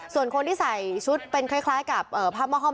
ส่วนคนที่ใส่ชุดเป็นคล้ายกับผ้าหม้อห้อม